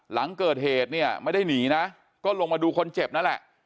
หลังเกิดเหตุเนี่ยไม่ได้หนีนะก็ลงมาดูคนเจ็บนั่นแหละ